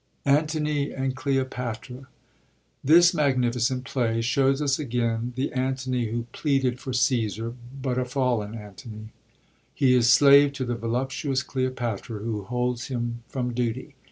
Antont and Cleopatra.— This magnificent play shows us again the Antony who pleaded for Caefsar, but a fallen Antony. He is slave to the voluptuous Cleopatra, who holds him from duty.